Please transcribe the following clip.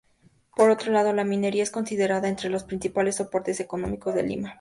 Por otro lado, la minería es considerada entre los principales soportes económicos de Lima.